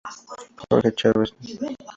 Jorge Chávez Nr.